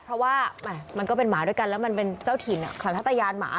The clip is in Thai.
เพราะว่ามันก็เป็นหมาด้วยกันแล้วมันเป็นเจ้าถิ่นสันทยานหมา